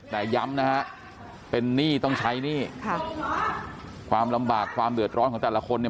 แต่ย้ำนะฮะเป็นหนี้ต้องใช้หนี้ค่ะความลำบากความเดือดร้อนของแต่ละคนเนี่ย